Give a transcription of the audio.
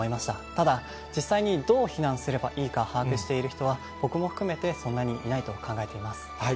ただ、実際にどう避難すればいいか把握している人は、僕も含めてそんなにいないと考えています。